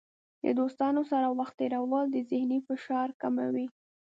د دوستانو سره وخت تیرول د ذهني فشار کموي.